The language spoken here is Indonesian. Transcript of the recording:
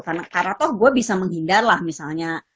karena toh gue bisa menghindar lah misalnya